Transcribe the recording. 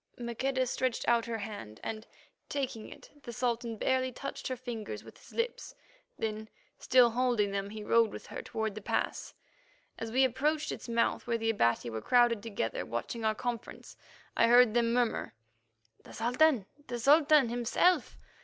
Maqueda stretched out her hand, and, taking it, the Sultan barely touched her fingers with his lips. Then, still holding them, he rode with her toward the pass. As we approached its mouth, where the Abati were crowded together, watching our conference, I heard them murmur, "The Sultan, the Sultan himself!"